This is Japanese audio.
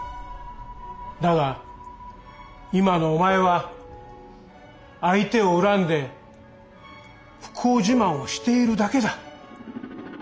だが今のお前は相手を恨んで不幸自慢をしているだけだ。